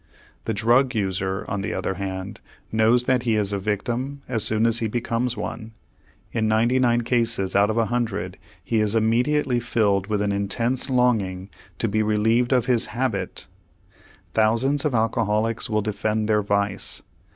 The drug user, on the other hand, knows that he is a victim as soon as he becomes one; in ninety nine cases out of a hundred he is immediately filled with an intense longing to be relieved of his habit. Thousands of alcoholics will defend their vice.